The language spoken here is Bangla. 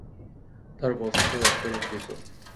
তার বস্ত্র রক্তে রঞ্জিত।